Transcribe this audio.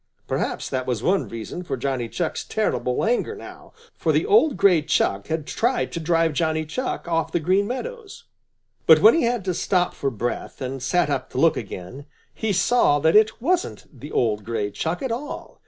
Perhaps that was one reason for Johnny Chuck's terrible anger now, for the old gray Chuck had tried to drive Johnny Chuck off the Green Meadows. But when he had to stop for breath and sat up to look again, he saw that it wasn't the old gray Chuck at all.